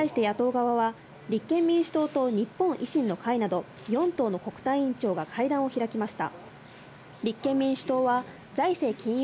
これに対して野党側は立憲民主党と日本維新の会など４党の国対委員長が会談を開きました。